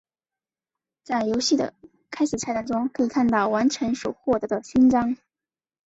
在游戏的开始菜单中可以看到完成所获得的勋章。